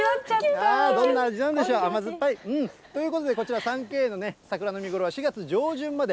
どんな味なんでしょう、甘酸っぱい。ということで、こちら三渓園の桜の見頃は４月上旬まで。